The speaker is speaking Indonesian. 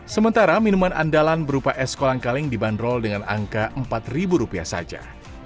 sementara minuman andalan berupa es kolangkaling dibanderol dengan angka empat rupiah saja